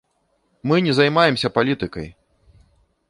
Мы не займаемся палітыкай!